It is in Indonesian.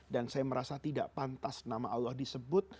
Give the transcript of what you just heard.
dan saya merasa tidak pantas nama allah disebut